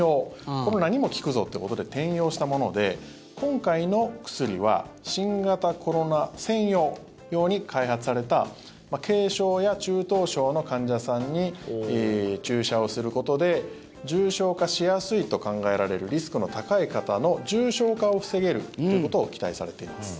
コロナにも効くぞということで転用したもので今回の薬は新型コロナ専用に開発された軽症や中等症の患者さんに注射をすることで重症化しやすいと考えられるリスクの高い方の重症化を防げるということを期待されています。